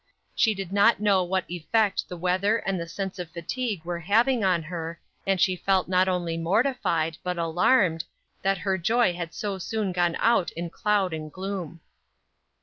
She did not know what effect the weather and the sense of fatigue were having on her, and she felt not only mortified, but alarmed, that her joy had so soon gone out in cloud and gloom.